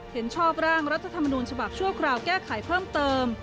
เห็นชอบร่างรัฐธรรมนูญฉบับชั่วคราวแก้ไขเพิ่มเติม